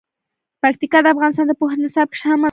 پکتیکا د افغانستان د پوهنې نصاب کې شامل دي.